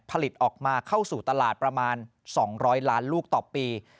ผลิตออกมาเข้าสู่ตลาดประมาณ๒๐๐ล้านลูกต่อปี